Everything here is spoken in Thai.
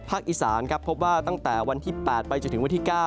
อีสานครับพบว่าตั้งแต่วันที่๘ไปจนถึงวันที่๙